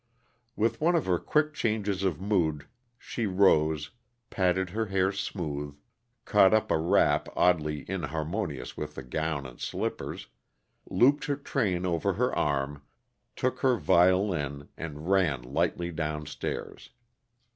With one of her quick changes of mood she rose, patted her hair smooth, caught up a wrap oddly inharmonious with the gown and slippers, looped her train over her arm, tool her violin, and ran lightly down stairs.